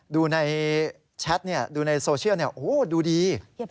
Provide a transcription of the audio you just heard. ดูในแชทดูในโซเชียลดูดี